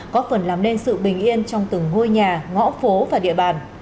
có phần làm nên sự bình yên trong từng ngôi nhà ngõ phố và địa bàn